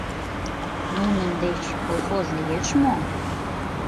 — Нунын деч колхоз лиеш мо?